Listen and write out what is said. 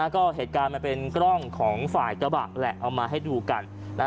ก็เหตุการณ์มันเป็นกล้องของฝ่ายกระบะแหละเอามาให้ดูกัน